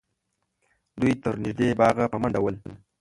دوی تر نږدې باغه په منډه ول